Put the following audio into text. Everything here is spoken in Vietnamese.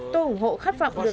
tôi ủng hộ khát vọng được